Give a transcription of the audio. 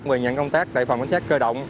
và nhận công tác tại phòng quan sát cơ động